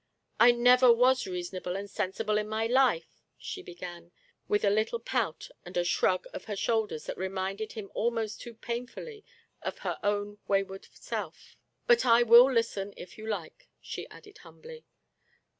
" I never was reasonable and sensible in my life,*' she began — with a little pout and a shrug of her shoulders that reminded him almost too pain fully of her own wayward self —" but I will listen if you like," she added humbly.